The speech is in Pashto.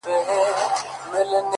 ستا و مخ ته چي قدم دی خو ته نه يې;